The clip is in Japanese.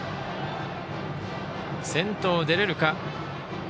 先頭出れるか。